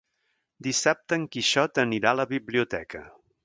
Dissabte en Quixot anirà a la biblioteca.